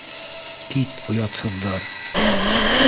— Кит, оятһыҙҙар!